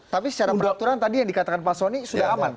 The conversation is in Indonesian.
tapi secara peraturan tadi yang dikatakan pak soni sudah aman